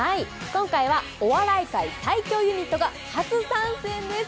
今回はお笑い界最強ユニットが初参戦です。